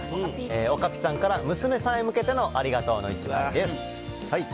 おかぴさんから娘さんへ向けてのありがとうの１枚です。